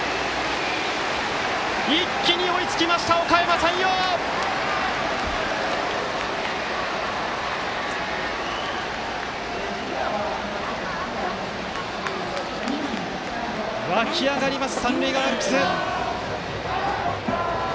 一気に追いつきましたおかやま山陽！沸き上がります、三塁側アルプス。